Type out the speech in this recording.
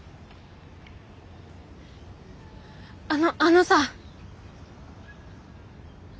あのあのさ。